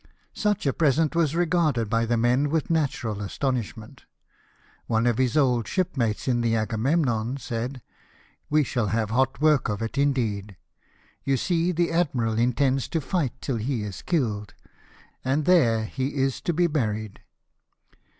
Such a present was regarded by the men with natural astonishment ; one of his old shipmates in the Agaviemnon said —" We shall have hot work of it indeed ! You see the admiral intends to fight till he is killed, and there he is to be buried."